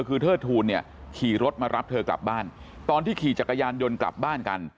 คือเทิดทูลเนี่ยขี่รถมารับเธอกลับบ้านตอนที่ขี่จักรยานยนต์กลับบ้านกัน